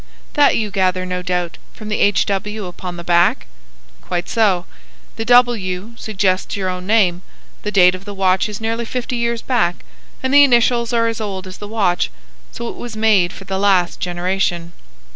"That you gather, no doubt, from the H. W. upon the back?" "Quite so. The W. suggests your own name. The date of the watch is nearly fifty years back, and the initials are as old as the watch: so it was made for the last generation.